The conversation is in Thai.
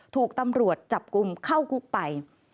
ถูกตำรวจจับกลุ่มเข้าคุกไป